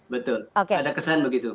betul ada kesan begitu